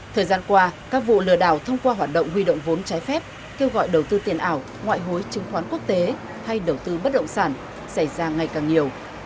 thời gian qua các vụ lừa đảo thông qua hoạt động huy động vốn trái phép kêu gọi đầu tư tiền ảo ngoại hối chứng khoán quốc tế hay đầu tư bất động sản xảy ra ngày càng nhiều